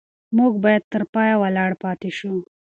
موږ باید تر پایه ولاړ پاتې شو.